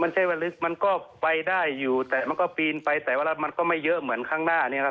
มันใช่ว่าลึกมันก็ไปได้อยู่แต่มันก็ปีนไปแต่เวลามันก็ไม่เยอะเหมือนข้างหน้าเนี่ยครับ